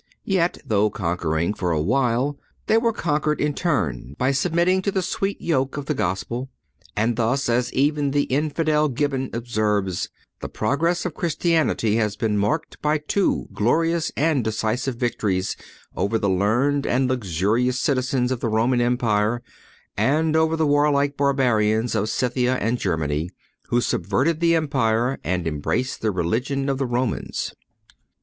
Yet, though conquering for awhile, they were conquered in turn by submitting to the sweet yoke of the Gospel. And thus, as even the infidel Gibbon observes, "The progress of Christianity has been marked by two glorious and decisive victories over the learned and luxurious citizens of the Roman Empire and over the warlike Barbarians of Scythia and Germany, who subverted the empire and embraced the religion of the Romans."